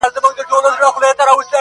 • نن که سباوي زموږ ځیني تله دي -